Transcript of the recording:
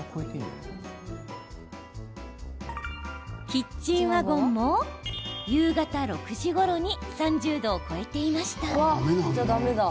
キッチンワゴンも夕方６時ごろに３０度を超えていました。